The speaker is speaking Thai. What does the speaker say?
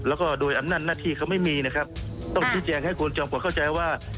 แล้วก็โดยอำนาจหน้าที่เขาไม่มีนะครับต้องชี้แจงให้คุณจอมปวดเข้าใจว่า